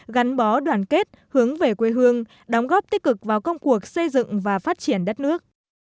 gắn bó đoàn kết hướng về quê hương đóng góp tích cực vào công cuộc xây dựng và phát triển đất nước